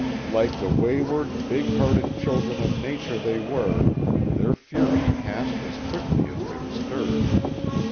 Like the wayward, big hearted children of nature they were, their fury passed as quickly as it had stirred.